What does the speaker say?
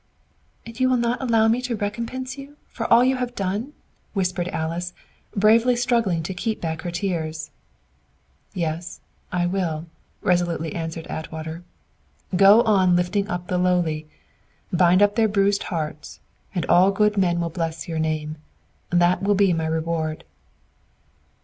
'" "And you will not allow me to recompense you for all you have done?" whispered Alice, bravely struggling to keep back her tears. "Yes; I will," resolutely answered Atwater. "Go on lifting up the lowly, bind up their bruised hearts, and all good men will bless your name. That will be my reward!"